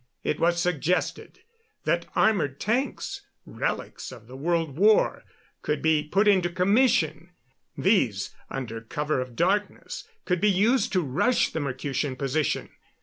It was suggested that armored tanks relics of the World War could be put into commission. These, under cover of darkness, could be used to rush the Mercutian position.